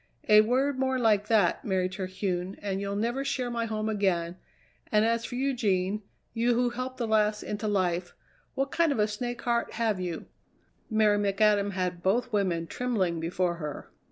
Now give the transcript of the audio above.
A word more like that, Mary Terhune, and you'll never share my home again, and as for you, Jean, you who helped the lass into life, what kind of a snake heart have you?" Mary McAdam had both women trembling before her.